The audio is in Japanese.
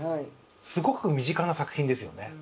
すごく身近な作品ですよね。